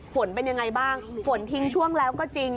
ฝนเป็นยังไงบ้างฝนทิ้งช่วงแล้วก็จริง